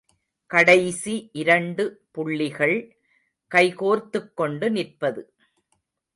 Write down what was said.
கடைசி இரண்டு புள்ளிகள் கைகோர்த்துக் கொண்டு நிற்பது.